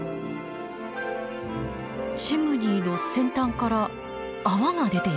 チムニーの先端から泡が出ています。